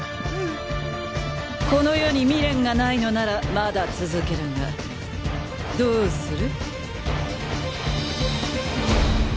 この世に未練がないのならまだ続けるがどうする？